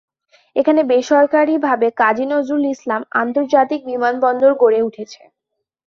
এখানে বেসরকারি ভাবে কাজী নজরুল ইসলাম আন্তর্জাতিক বিমানবন্দর গড়ে উঠেছে।